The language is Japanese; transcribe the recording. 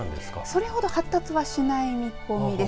それほど発達しない見込みです。